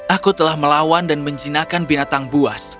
aku telah melawan dan menjinakan binatang buas